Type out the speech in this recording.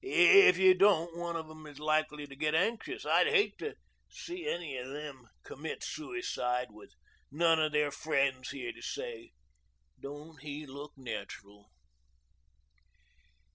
If you don't one of them is likely to get anxious. I'd hate to see any of them commit suicide with none of their friends here to say, 'Don't he look natural?'"